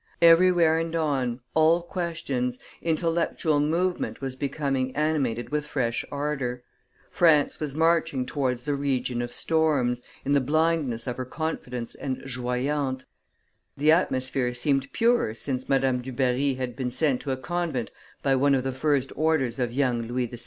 Everywhere and on, all questions, intellectual movement was becoming animated with fresh ardor; France was marching towards the region of storms, in the blindness of her confidence and joyante; the atmosphere seemed purer since Madame Dubarry had been sent to a convent by one of the first orders of young Louis XVI.